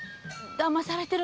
だまされてる？